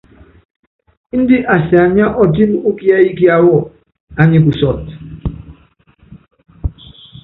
Índɛ asianyíá ɔtɛ́m ukiɛ́yi kiáwɔ, anyi kusɔt.